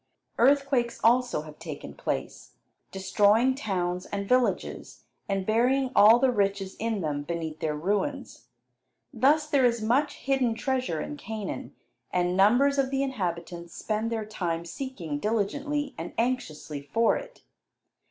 Earthquakes also have taken place, destroying towns and villages, and burying all the riches in them beneath their ruins. Thus there is much hidden treasure in Canaan, and numbers of the inhabitants spend their time seeking diligently and anxiously for it.